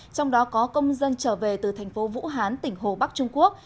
trong đó có công dân trở về từ thành phố vũ hán tỉnh hồ bắc trung quốc